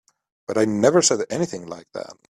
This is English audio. But I never said anything like that.